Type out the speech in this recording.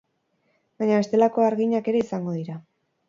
Baina bestelako harginak ere izango dira.